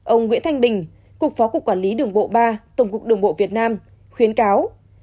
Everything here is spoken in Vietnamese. ông nguyễn thanh bình cục phó cục quản lý đường bộ ba tổng cục đường bộ việt nam khuyến cáo